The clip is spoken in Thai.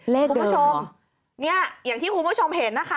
เลขเดิมเหรอคุณผู้ชมอย่างที่คุณผู้ชมเห็นนะคะ